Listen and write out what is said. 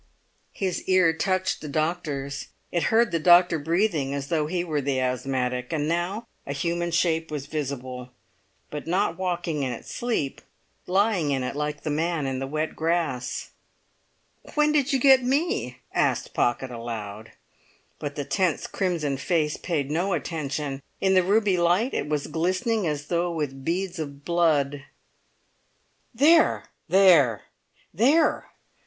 His ear touched the doctor's; it heard the doctor breathing as though he were the asthmatic; and now a human shape was visible, but not walking in its sleep, lying in it like the man in the wet grass. "When did you get me?" asked Pocket aloud. But the tense crimson face paid no attention; in the ruby light it was glistening as though with beads of blood. "There! there! there!"